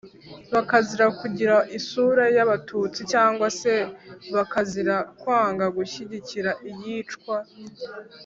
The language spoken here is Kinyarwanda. Bakazira kugira isura y abatutsi cyangwa se bakazira kwanga gushyigikira iyicwa